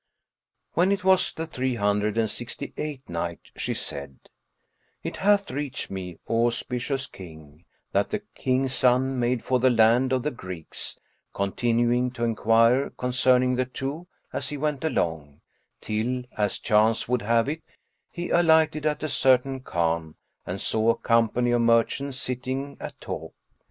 When it was the Three Hundred and Sixty eighth Night, She said, It hath reached me, O auspicious King, that the King's son made for the land of the Greeks, continuing to enquire concerning the two as he went along, till, as chance would have it, he alighted at a certain Khan and saw a company of merchants sitting at talk.